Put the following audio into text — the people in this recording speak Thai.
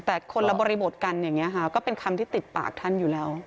แต่คนละบริบทกันอย่างนี้ค่ะก็เป็นคำที่ติดปากท่านอยู่แล้ว